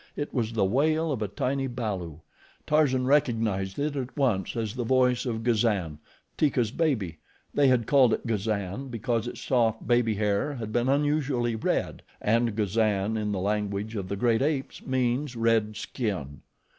It was the wail of a tiny balu. Tarzan recognized it at once as the voice of Gazan, Teeka's baby. They had called it Gazan because its soft, baby hair had been unusually red, and GAZAN in the language of the great apes, means red skin.